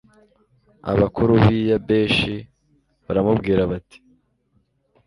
abakuru b'i yabeshi baramubwira bati